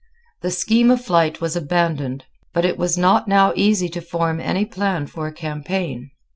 The scheme of flight was abandoned: but it was not now easy to form any plan for a campaign.